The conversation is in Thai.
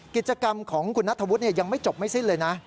กิจกรรมของคุณนัทธวุฒิยังไม่จบไม่สิ้นเลยนะ